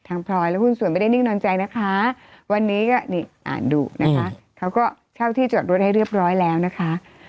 พลอยและหุ้นส่วนไม่ได้นิ่งนอนใจนะคะวันนี้ก็นี่อ่านดูนะคะเขาก็เช่าที่จอดรถให้เรียบร้อยแล้วนะคะ